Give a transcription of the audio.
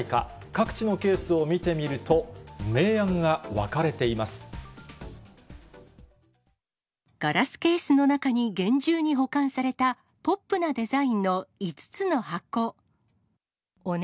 各地のケースを見てみると、ガラスケースの中に、厳重に保管されたポップなデザインの５つの箱。